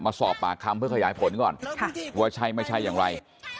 มาสอบปากคำเพื่อขยายผลก่อนว่าใช่ไม่ใช่อย่างไร